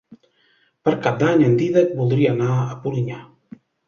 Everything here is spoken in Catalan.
Per Cap d'Any en Dídac voldria anar a Polinyà.